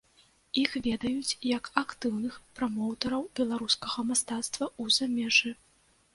Іх ведаюць як актыўных прамоўтэраў беларускага мастацтва ў замежжы.